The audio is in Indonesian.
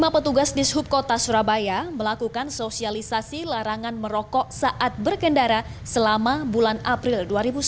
lima petugas di subkota surabaya melakukan sosialisasi larangan merokok saat berkendara selama bulan april dua ribu sembilan belas